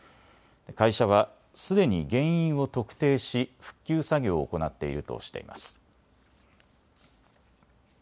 会社はすでに原因を特定し復旧作業を行っているとしています。